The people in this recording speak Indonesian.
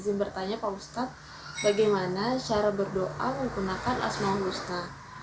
izin bertanya pak ustadz bagaimana cara berdoa menggunakan asma'ul husna